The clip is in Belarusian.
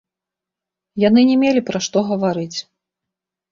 Яны не мелі пра што гаварыць.